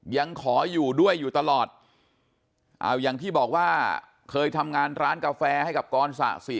ยังขออยู่ด้วยอยู่ตลอดเอาอย่างที่บอกว่าเคยทำงานร้านกาแฟให้กับกรสะสิ